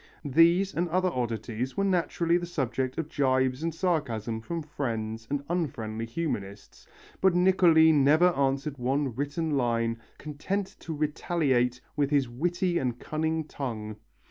These and other oddities were naturally the subject of gibes and sarcasm from friends and unfriendly humanists, but Niccoli never answered one written line, content to retaliate with his witty and cutting tongue.